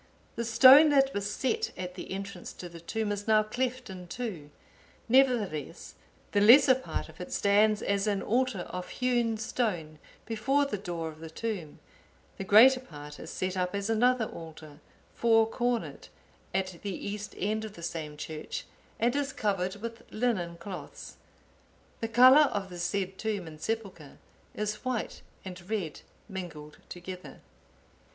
The stone that was set at the entrance to the tomb is now cleft in two; nevertheless, the lesser part of it stands as an altar of hewn stone before the door of the tomb; the greater part is set up as another altar, four cornered, at the east end of the same church, and is covered with linen cloths. The colour of the said tomb and sepulchre is white and red mingled together."